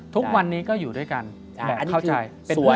ทุกวันนี้ก็อยู่ด้วยกันและเข้าใจเป็นเพื่อนหรอ